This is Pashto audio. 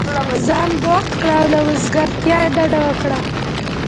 ځان بوخت كړه او له وزګارتیا ډډه وكره!